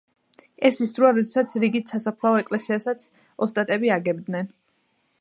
ეს ის დროა, როდესაც რიგით სასაფლაო ეკლესიასაც ოსტატები აგებდნენ.